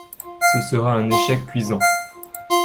Ce sera un échec cuisant.